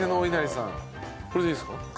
これでいいですか？